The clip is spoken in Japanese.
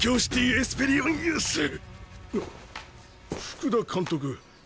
福田監督。